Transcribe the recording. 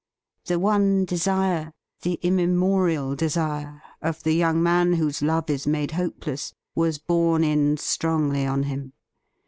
The one desire — ^the immemorial desire — of the young man whose love is made hopeless was borne in strongly on him.